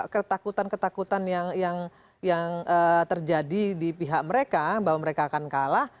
ketakutan ketakutan yang terjadi di pihak mereka bahwa mereka akan kalah